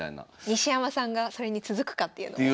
西山さんがそれに続くかっていうのも。